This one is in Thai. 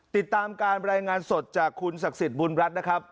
ติดตามการรายงานสดจากคุณศักดิ์สิทธิ์บุญรัฐนะครับ